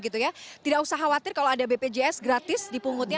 tidak usah khawatir kalau ada bpjs gratis di punggutnya